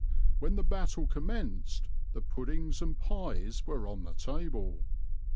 When the battle commenced the puddings and pies were on the table.